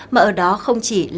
mà ở đó không chỉ là những người